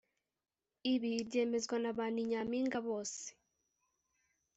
ibi byemezwa na ba ni nyampinga bose